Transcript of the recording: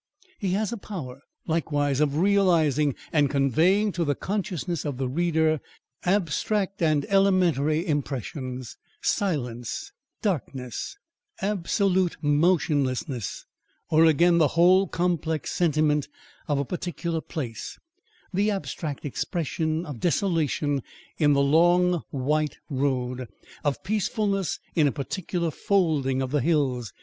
He has a power likewise of realising, and conveying to the consciousness of the reader, abstract and elementary impressions silence, darkness, absolute motionlessness: or, again, the whole complex sentiment of a particular place, the abstract expression of desolation in the long white road, of peacefulness in a particular folding of the hills.